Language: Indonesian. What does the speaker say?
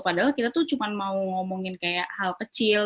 padahal kita tuh cuma mau ngomongin kayak hal kecil